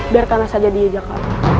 biarkanlah saja dia jaka